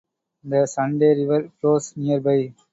The Sandy River flows nearby.